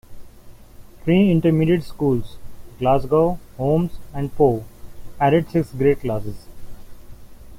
Three intermediate schools, Glasgow, Holmes and Poe, added sixth grade classes.